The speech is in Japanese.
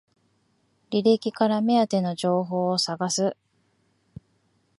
履歴から目当ての情報を探す